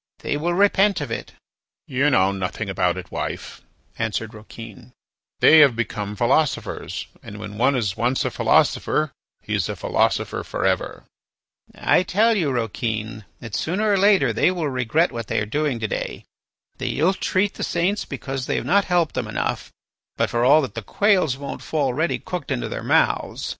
They will repent of it." "You know nothing about it, wife," answered Rouquin; "they, have become philosophers, and when one is once a philosopher he is a philosopher for ever." "I tell you, Rouquin, that sooner or later they will regret what they are doing to day. They ill treat the saints because they have not helped them enough, but for all that the quails won't fall ready cooked into their mouths.